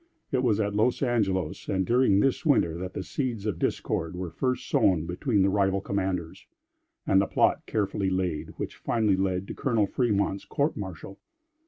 It was at Los Angelos, and during this winter, that the seeds of discord were first sown between the rival commanders, and the plot carefully laid, which finally led to Colonel Fremont's court martial.